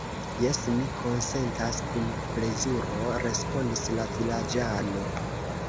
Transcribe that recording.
Jes, mi konsentas kun plezuro, respondis la vilaĝano.